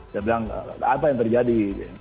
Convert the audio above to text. saya bilang apa yang terjadi